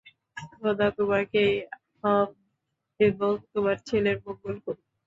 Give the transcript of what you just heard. খোদা তোমাকে এবং তোমার ছেলের মঙ্গল করুক।